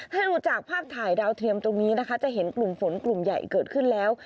ถ้าดูจากภาพถ่ายดาวเทียมตรงนี้นะคะจะเห็นกลุ่มฝนกลุ่มใหญ่เกิดขึ้นแล้ว